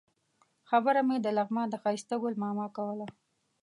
خبره مې د لغمان د ښایسته ګل ماما کوله.